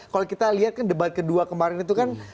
kalau kita lihat kan debat kedua kemarin itu kan